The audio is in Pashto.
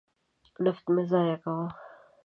نفت مه ضایع کوه.